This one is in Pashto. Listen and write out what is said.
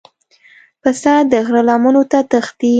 پسه د غره لمنو ته تښتي.